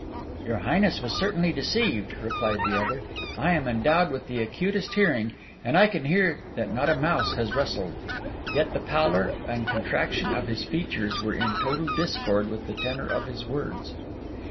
'Your highness was certainly deceived,' replied the other. 'I am endowed with the acutest hearing, and I can swear that not a mouse has rustled.' Yet the pallor and contraction of his features were in total discord with the tenor of his words.